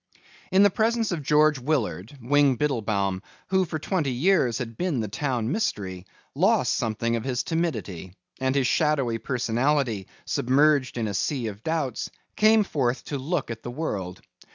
In the presence of George Willard, Wing Biddlebaum, who for twenty years had been the town mystery, lost something of his timidity, and his shadowy personality, submerged in a sea of doubts, came forth to look at the world.